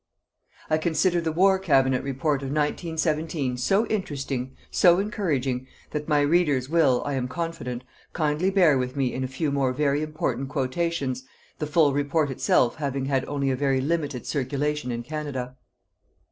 I consider the War Cabinet Report of 1917 so interesting, so encouraging, that my readers will, I am confident, kindly bear with me in a few more very important quotations, the full Report itself having had only a very limited circulation in Canada.